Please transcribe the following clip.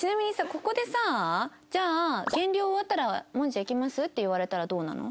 ここでさじゃあ「減量終わったらもんじゃ行きます？」って言われたらどうなの？